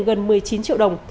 gần một mươi chín triệu đồng